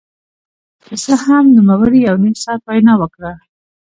که څه هم نوموړي يو نيم ساعت وينا وکړه.